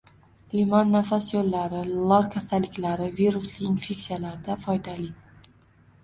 Limon nafas yo‘llari, lor kasalliklari, virusli infeksiyalarda foydali.